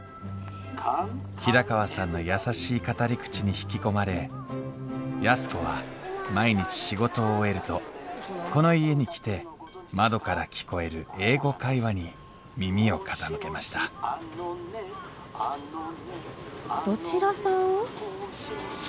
平川さんの優しい語り口に引き込まれ安子は毎日仕事を終えるとこの家に来て窓から聞こえる「英語会話」に耳を傾けましたどちらさん？